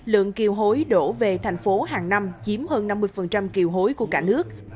lượng kiều hối đổ về thành phố hàng năm chiếm hơn năm mươi kiều hối của cả nước